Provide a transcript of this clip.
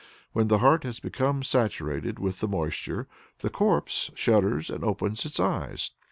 When the heart has become saturated with the moisture, the corpse shudders and opens its eyes.